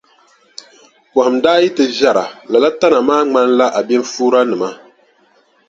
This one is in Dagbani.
Pɔhim daa yi ti ʒɛra lala tana maa ŋmanila abinfuuranima.